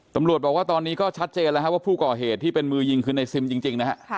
ตำรวจบอกว่าตอนนี้ก็ชัดเจนแล้วว่าผู้ก่อเหตุที่เป็นมือยิงคือในซิมจริงนะฮะ